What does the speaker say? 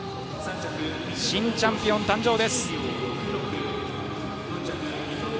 新チャンピオン誕生です。